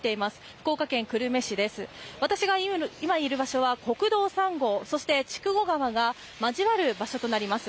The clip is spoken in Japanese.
福岡県久留米市です、私が今いる場所は国道３号、そして筑後川が交わる場所になります。